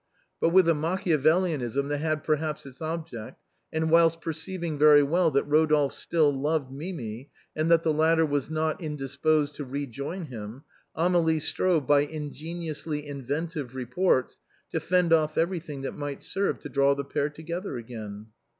But with a Machiavelism that had perhaps its object, and whilst perceiving very well that Rodolphe still loved Mimi, and that the latter was not indisposed to re join him, Amélie strove, by ingeniously inventive reports, to fend off everything that might serve to draw the pair together again."